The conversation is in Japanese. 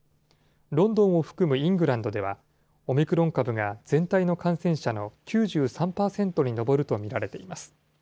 ロンドンを含むイングランドでは、オミクロン株が全体の感染者の９３％に上ると見られています。